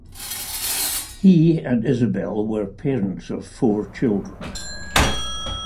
He and Isabel were parents of four children.